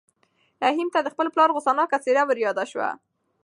رحیم ته د خپل پلار غوسه ناکه څېره وریاده شوه.